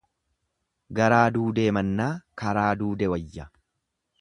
Garaa duudee mannaa karaa duude wayya.